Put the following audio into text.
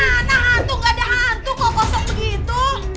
anak hantu gak ada hantu kok kosong begitu